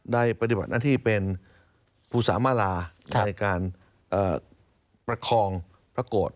ปฏิบัติหน้าที่เป็นภูสามราในการประคองพระโกรธ